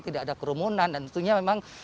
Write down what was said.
tidak ada kerumunan dan tentunya memang